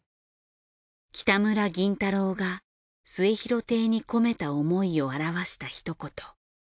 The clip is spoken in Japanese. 北村銀太郎が『末廣亭』に込めた思いを表したひと言。